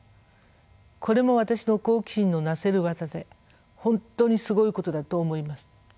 これも私の好奇心のなせる業で本当にすごいことだと思います。